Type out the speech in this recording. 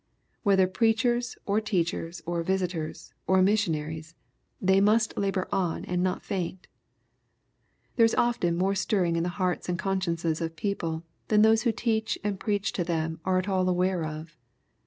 Whether preachers, or teachers, or visitors, ^ or missionaries, they must labor on and not faint. There is often more stirring in the hearts and con , sciences of people than those who teach and preach to them are at all aware of.